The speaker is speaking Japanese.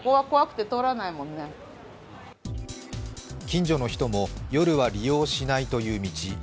近所の人も夜は利用しないという道。